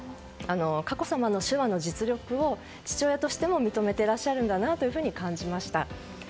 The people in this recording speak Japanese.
佳子さまの手話の実力を父親としても認めていらっしゃるんだなと感じました。